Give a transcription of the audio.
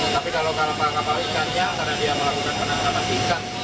tapi kalau kapal kapal ikannya karena dia melakukan penangkapan ikan